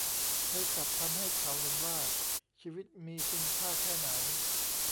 เธอกลับทำให้เขาเห็นว่าชีวิตมีคุณค่าแค่ไหน